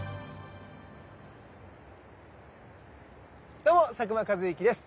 どうも佐久間一行です。